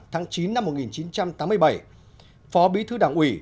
tháng chín năm một nghìn chín trăm tám mươi bảy phó bí thư đảng ủy